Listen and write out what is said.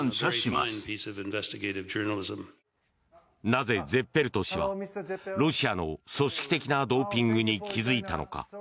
なぜ、ゼッペルト氏はロシアの組織的なドーピングに気付いたのか。